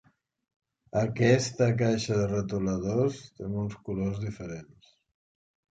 Aquesta caixa de retoladors té molts colors diferents.